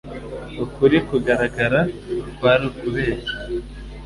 Ukuri kugaragara kwari ukubeshya.